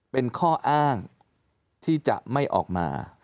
เป็นข้ออ้างที่จะไม่ออกมา